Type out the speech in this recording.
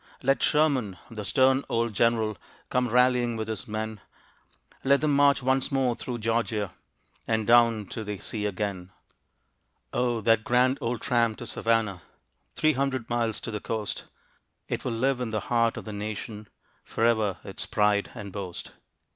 Let Sherman, the stern old General, Come rallying with his men; Let them march once more through Georgia And down to the sea again. Oh! that grand old tramp to Savannah, Three hundred miles to the coast, It will live in the heart of the nation, Forever its pride and boast.